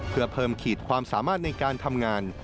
เพื่อเพิ่มขีดความสามารถในการทำงาน